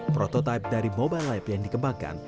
proto type dari mobile lab yang dikembangkan